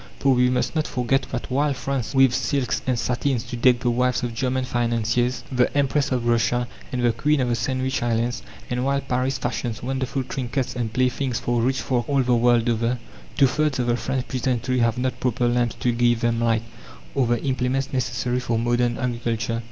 For we must not forget that while France weaves silks and satins to deck the wives of German financiers, the Empress of Russia, and the Queen of the Sandwich Islands, and while Paris fashions wonderful trinkets and playthings for rich folk all the world over, two thirds of the French peasantry have not proper lamps to give them light, or the implements necessary for modern agriculture.